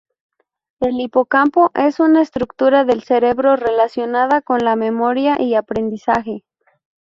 El hipocampo es una estructura del cerebro relacionada con la memoria y aprendizaje.